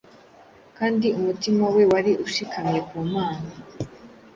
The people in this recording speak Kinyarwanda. kandi umutima we wari ushikamye ku Mana.